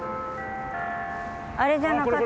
あれじゃなかった？